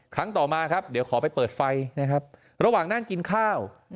ต่อมาครับเดี๋ยวขอไปเปิดไฟนะครับระหว่างนั่งกินข้าว